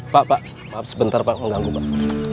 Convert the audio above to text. pak pak maaf sebentar pak mengganggu pak